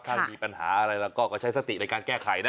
ถ้าอยู่มีปัญหาเราก็ใช้สติในการแก้ไขนะ